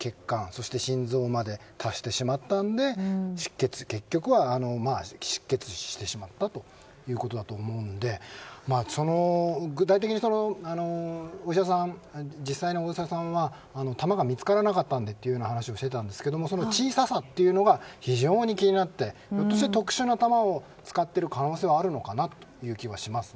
そして心臓まで達してしまったので出血、結局は失血死してしまったということだと思うので具体的に実際のお医者さんは弾が見つからなかったのでという話をしていましたがその小ささが非常に気になって特殊な弾を使っている可能性はあるのかなという気がします。